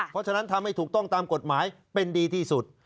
เพราะฉะนั้นทำให้ถูกต้องตามกฎหมายเป็นดีที่สุด